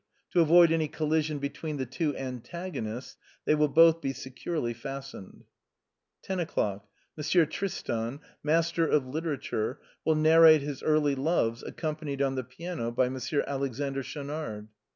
To avoid any collision between the two antagonists, they will both be securely fastened. 10. — M. Tristran, master of literature, will narrate his early loves, accom panied on the piano by M. Alexander Schaunard.